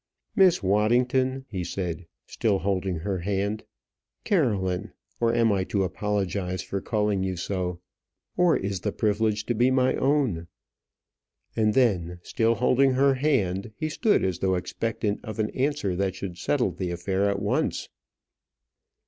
"Miss Waddington," he said, still holding her hand; "Caroline! Or am I to apologize for calling you so? or is the privilege to be my own?" and then, still holding her hand, he stood as though expectant of an answer that should settle the affair at once.